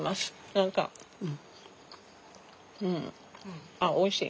何かあっおいしい。